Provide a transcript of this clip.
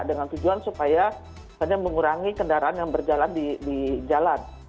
dengan tujuan supaya hanya mengurangi kendaraan yang berjalan di jalan